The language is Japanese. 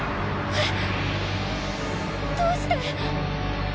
えっ⁉どうして？